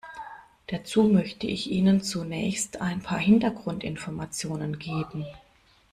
Dazu möchte ich Ihnen zunächst ein paar Hintergrundinformationen geben.